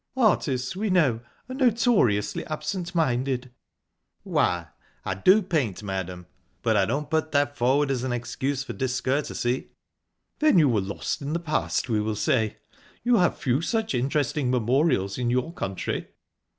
"Artists, we know, are notoriously absent minded." "Why, I do paint, madam but I don't put that forward as an excuse for discourtesy." "Then you were lost in the past, we will say. You have few such interesting memorials in your country?"